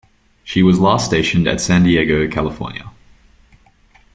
She was last stationed at San Diego, California.